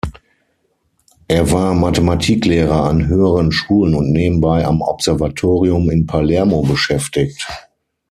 Er war Mathematiklehrer an höheren Schulen und nebenbei am Observatorium in Palermo beschäftigt.